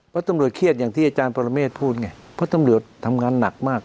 พอตำรวจทำงานหนักมาก